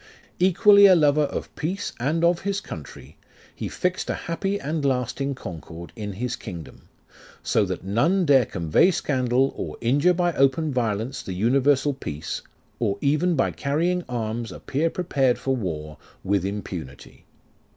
Equally a lover of peace and of his country ; He fix'd a happy and lasting concord In his kingdom, So that none dare convey scandal, or injure by open violence the universal peace, Or even by carrying arms appear prepared for war, With impunity.